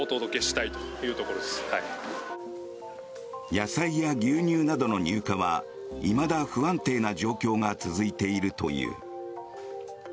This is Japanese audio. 野菜や牛乳などの入荷はいまだ不安定な状況が続いているという。